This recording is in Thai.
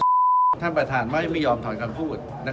ท่านประธานไม่ยอมถอนคำพูด